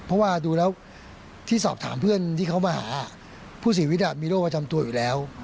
เพราะว่าดูแล้วที่สอบถามเพื่อนที่เขามาหาผู้เสียชีวิตมีโรคประจำตัวอยู่แล้ว